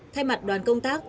thay mặt đoàn công tác